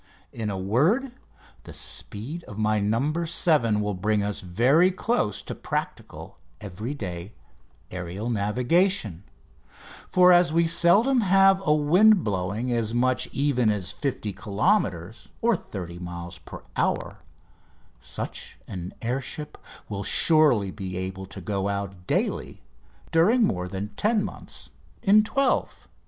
In a word, the speed of my "No. 7" will bring us very close to practical, everyday aerial navigation, for as we seldom have a wind blowing as much even as 50 kilometres (30 miles) per hour such an air ship will surely be able to go out daily during more than ten months in the twelve.